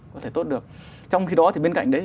có thể tốt được trong khi đó thì bên cạnh đấy